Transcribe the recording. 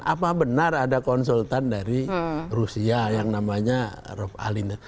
karena benar ada konsultan dari rusia yang namanya rob alin